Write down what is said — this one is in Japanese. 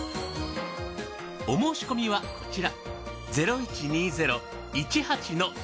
お申し込みはこちら。